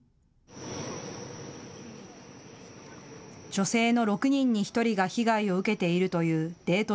女性の６人に１人が被害を受けているというデート